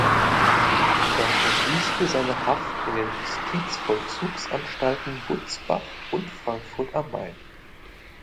Er verbüßte seine Haft in den Justizvollzugsanstalten Butzbach und Frankfurt am Main.